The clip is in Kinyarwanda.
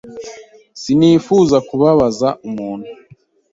sinifuza kubabaza umuntu.